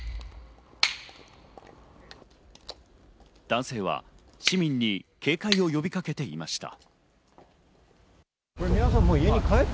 男性は市民に警戒を呼びかけていました。